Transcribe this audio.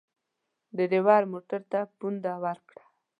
ډریور موټر ته پونده ورکړه.